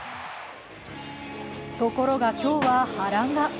ところが今日は波乱が。